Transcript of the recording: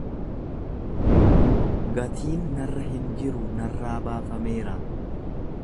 Gatiin narra hin jiru narraa baafameera.